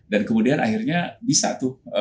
dan kemudian akhirnya bisa tuh